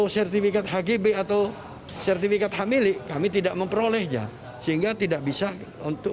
sertifikat hgb atau sertifikat hak milik kami tidak memperolehnya sehingga tidak bisa untuk